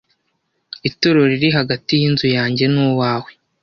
Itorero riri hagati yinzu yanjye nuwawe.